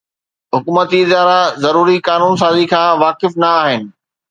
حڪومتي ادارا ضروري قانون سازي کان واقف نه آهن